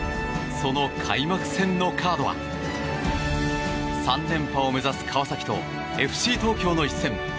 その開幕戦のカードは３連覇を目指す川崎とＦＣ東京の一戦